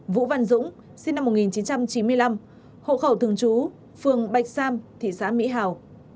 vũ văn dũng sinh năm một nghìn chín trăm chín mươi năm hộ khẩu thường trú phường bạch sam thị xã mỹ hào